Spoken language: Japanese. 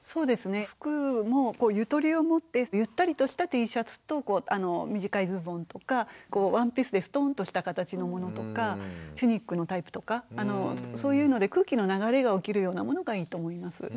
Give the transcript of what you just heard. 服もゆとりをもってゆったりとしたＴシャツと短いズボンとかワンピースでストンとした形のものとかチュニックのタイプとかそういうので空気の流れが起きるようなものがいいと思います。